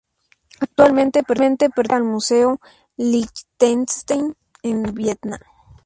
Actualmente pertenece al Museo Liechtenstein de Viena.